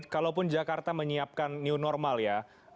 kalaupun jakarta menyiapkan new normal ya